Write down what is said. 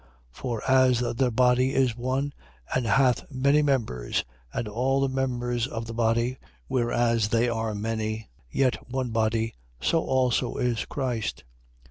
12:12. For as the body is one and hath many members; and all the members of the body, whereas they are many, yet are one body: So also is Christ.